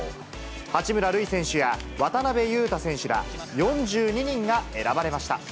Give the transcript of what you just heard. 八村塁選手や渡邊雄太選手ら、４２人が選ばれました。